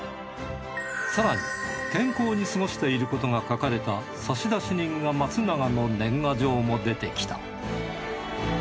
更に健康に過ごしていることが書かれた差出人が松永の年賀状も出てきた。